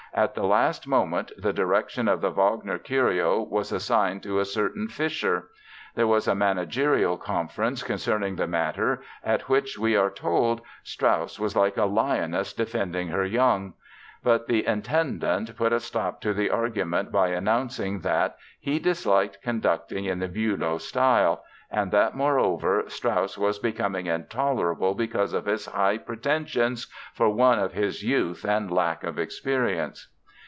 At the last moment the direction of the Wagner curio was assigned to a certain Fischer. There was a managerial conference concerning the matter at which, we are told, "Strauss was like a lioness defending her young"; but the Intendant put a stop to the argument by announcing that "he disliked conducting in the Bülow style" and that, moreover, Strauss was becoming intolerable because of his high pretensions "for one of his youth and lack of experience!"